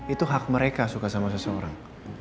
itu hak mereka suka sama seseorang